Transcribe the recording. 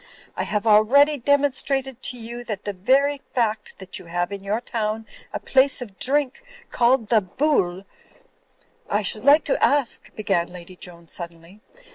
I have already demonstrated to you that the very fact that you have in your town a place of drink called the Bool—" "I should like to ask—" began Lady Joan, suddenly.